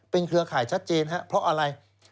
เครือข่ายชัดเจนครับเพราะอะไร